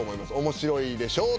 「面白いでしょ」とか。